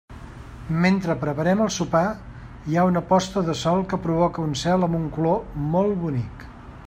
Mentre preparem el sopar, hi ha una posta de sol que provoca un cel amb un color molt bonic.